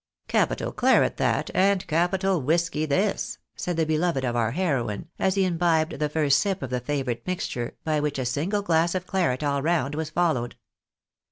" Capital claret that, and capital whisky this," said the beloved of our heroine, as he imbibed the first sip of the favourite mixture, by which a single glass of claret all round was followed.